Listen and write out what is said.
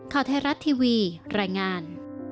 ข่าวไทยรัฐทีวีรายงาน